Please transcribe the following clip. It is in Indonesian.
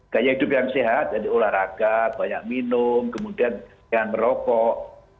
gaya hidup yang sehat jadi olahraga banyak minum kemudian jangan merokok